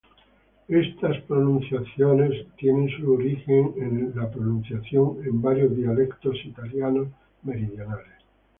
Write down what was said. Estas pronunciaciones tiene su origen en la pronunciación en varios dialectos italianos meridionales.